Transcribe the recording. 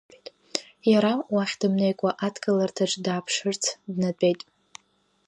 Иара, уахь дымнеикәа, адкыларҭаҿ дааԥшырц, днатәеит.